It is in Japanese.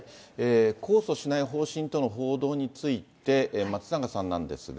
控訴しない方針との報道について、松永さんなんですが。